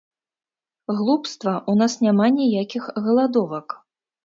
Глупства, у нас няма ніякіх галадовак.